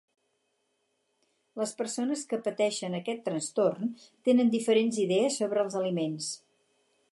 Les persones que pateixen aquest trastorn tenen diferents idees sobre els aliments.